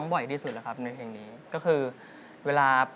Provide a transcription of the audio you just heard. ก็คือเวลาไปประกวดหรือว่ามีงานอะไรอย่างนี้ก็จะหล้องเพลงนี้นะค่ะ